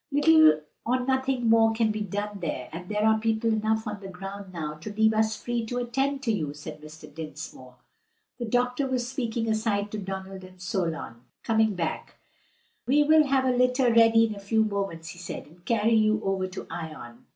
"Little or nothing more can be done there, and there are people enough on the ground now to leave us free to attend to you," said Mr. Dinsmore. The doctor was speaking aside to Donald and Solon. Coming back, "We will have a litter ready in a few moments," he said, "and carry you over to Ion."